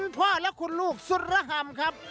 สวัสดีครับ